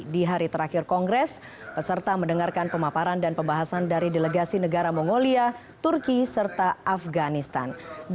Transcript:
di hari terakhir kongres peserta mendengarkan pemaparan dan pembahasan dari delegasi negara mongolia turki serta afganistan